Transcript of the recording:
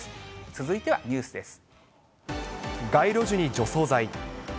続いてはニュースです。